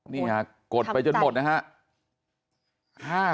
นี่ฮะกดไปจนหมดนะฮะ